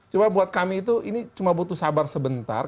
cuma buat kami itu ini cuma butuh sabar sebentar